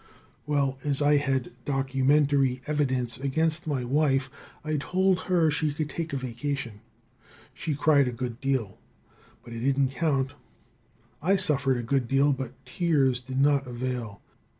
"Well, as I had documentary evidence against my wife, I told her she could take a vacation. She cried a good deal, but it didn't count I suffered a good deal, but tears did not avail.